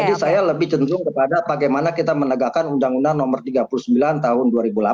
saya lebih cenderung kepada bagaimana kita menegakkan undang undang nomor tiga puluh sembilan tahun dua ribu delapan